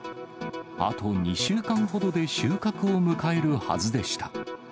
あと２週間ほどで収穫を迎えるはずでした。